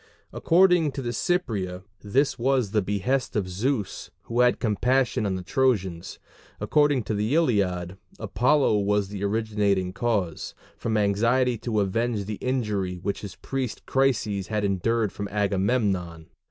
According to the Cypria this was the behest of Zeus, who had compassion on the Trojans: according to the Iliad, Apollo was the originating cause, from anxiety to avenge the injury which his priest Chryses had endured from Agamemnon.